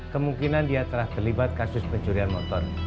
kemungkinan dia telah terlibat kasus pencurian motor